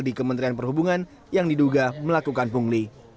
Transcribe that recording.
di kementerian perhubungan yang diduga melakukan pungli